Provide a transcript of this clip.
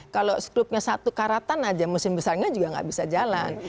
kalau klubnya satu karatan aja mesin besarnya juga nggak bisa jalan